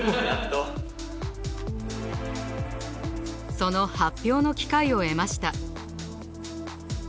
その発表の機会を得ました。